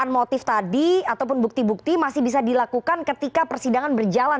dan motif tadi ataupun bukti bukti masih bisa dilakukan ketika persidangan berjalan